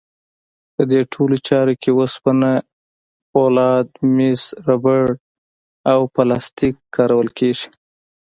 په دې ټولو چارو کې وسپنه، فولاد، مس، ربړ او پلاستیک کارول کېږي.